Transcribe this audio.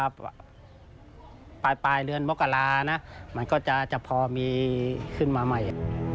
ปลายเดือนมกรานะมันก็จะพอมีขึ้นมาใหม่